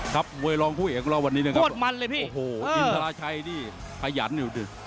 ครับเวลองผู้เองรอวันนี้นะครับโอ้โหอินทราชัยนี่พยายามอยู่ดึก